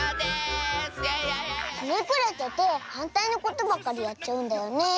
ひねくれててはんたいのことばっかりやっちゃうんだよねえ。